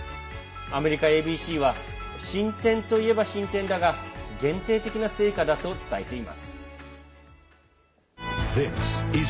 アメリカＡＢＣは進展といえば進展だが限定的な成果だと伝えています。